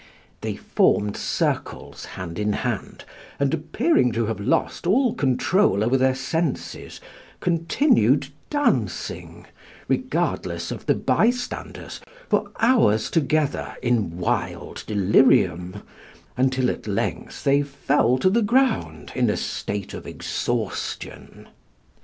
They formed circles hand in hand, and appearing to have lost all control over their senses, continued dancing, regardless of the bystanders, for hours together, in wild delirium, until at length they fell to the ground in a state of exhaustion.